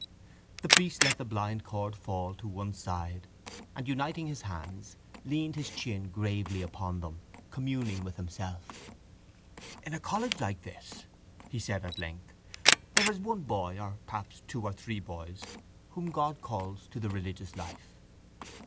The priest let the blindcord fall to one side and, uniting his hands, leaned his chin gravely upon them, communing with himself. —In a college like this, he said at length, there is one boy or perhaps two or three boys whom God calls to the religious life.